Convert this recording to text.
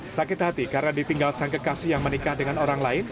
sakit hati karena ditinggal sang kekasih yang menikah dengan orang lain